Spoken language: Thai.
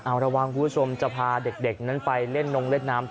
เอาระวังคุณผู้ชมจะพาเด็กนั้นไปเล่นนงเล่นน้ำ